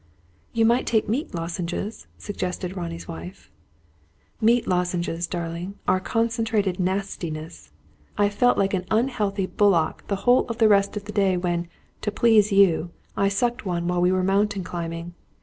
"You might take meat lozenges," suggested Ronnie's wife. "Meat lozenges, darling, are concentrated nastiness. I felt like an unhealthy bullock the whole of the rest of the day when, to please you, I sucked one while we were mountain climbing.